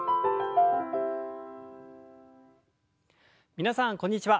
皆さんこんにちは。